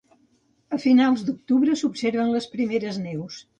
A finals d'octubre, s'observen les primeres neus.